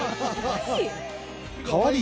かわいい。